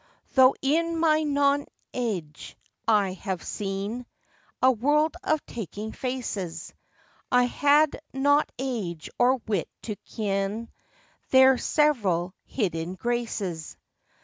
Though in my nonage I have seen A world of taking faces, I had not age or wit to ken Their several hidden graces.